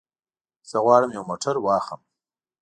زه غواړم یو موټر واخلم.